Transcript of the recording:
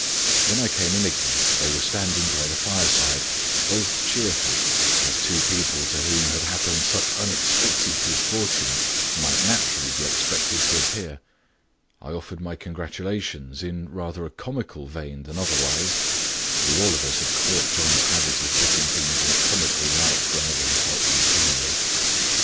When I came in again, they were standing by the fire side both cheerful, as two people to whom had happened such unexpected good fortune might naturally be expected to appear. I offered my congratulations in rather a comical vein than otherwise; we all of us had caught John's habit of putting things in a comic light whenever he felt them keenly.